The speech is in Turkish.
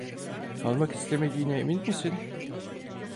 Kalmak istemediğine emin misin?